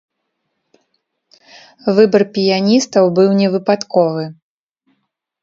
Выбар піяністаў быў не выпадковы.